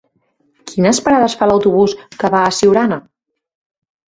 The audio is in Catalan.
Quines parades fa l'autobús que va a Siurana?